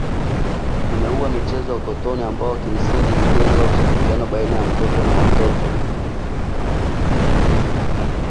Tumeua michezo ya utotoni ambayo kimsingi ilijenga ushirikiano baina ya mtoto na watoto